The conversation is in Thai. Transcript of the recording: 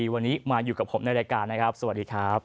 วันนี้มาอยู่กับผมในรายการนะครับสวัสดีครับ